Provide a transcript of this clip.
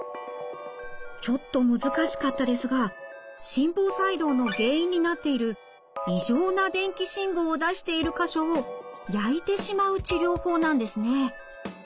ちょっと難しかったですが心房細動の原因になっている異常な電気信号を出している箇所を焼いてしまう治療法なんですね。